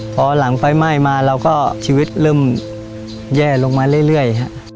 พอหลังไฟไหม้มาเราก็ชีวิตเริ่มแย่ลงมาเรื่อย